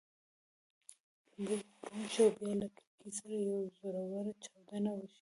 لومړی غړومب شي او بیا له کړېکې سره یوه زوروره چاودنه وشي.